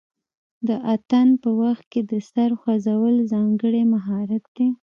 د اتن په وخت کې د سر خوځول ځانګړی مهارت دی.